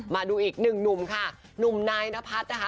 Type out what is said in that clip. มาดูอีกหนึ่งหนุ่มค่ะหนุ่มนายนพัฒน์นะคะ